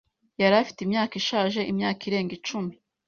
Yari afite imyaka ishaje imyaka irenga icumi.